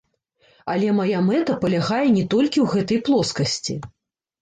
Але мая мэта палягае не толькі ў гэтай плоскасці.